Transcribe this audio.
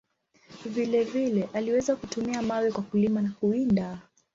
Vile vile, aliweza kutumia mawe kwa kulima na kuwinda.